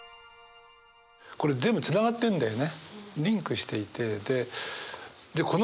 これ全部つながってるんだよね。